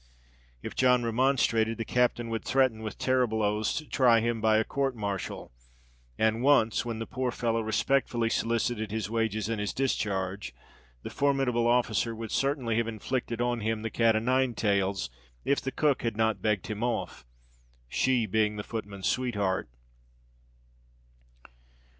If John remonstrated, the captain would threaten, with terrible oaths, to try him by a court martial; and once, when the poor fellow respectfully solicited his wages and his discharge, the formidable officer would certainly have inflicted on him the cat o' nine tails, if the cook had not begged him off—she being the footman's sweetheart.